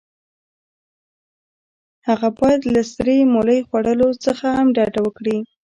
هغه باید له سرې مولۍ خوړلو څخه هم ډډه وکړي.